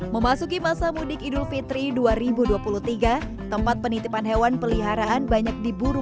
memasuki masa mudik idul fitri dua ribu dua puluh tiga tempat penitipan hewan peliharaan banyak diburu